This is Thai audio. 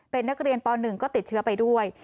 เป็นนักเรียนป๑ก็ติดเชื้อไปด้วย